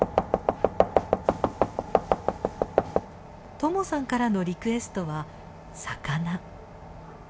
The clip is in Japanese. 智さんからのリクエストは魚。